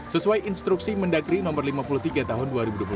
sesuai instruksi mendagri no lima puluh tiga tahun dua ribu dua puluh